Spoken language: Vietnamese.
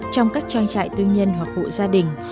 trong các trang trại tư nhân hoặc hộ gia đình